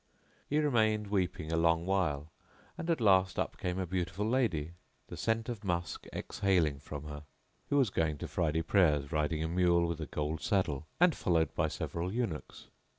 He remained weeping a long while, and at last up came a beautiful lady, the scent of musk exhaling from her, who was going to Friday prayers riding a mule with a gold saddle and followed by several eunuchs.